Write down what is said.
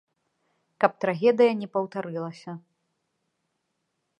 Каб трагедыя не паўтарылася.